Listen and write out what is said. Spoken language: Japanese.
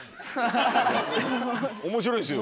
面白いんですよ。